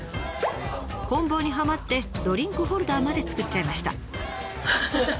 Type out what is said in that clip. こん棒にはまってドリンクホルダーまで作っちゃいました。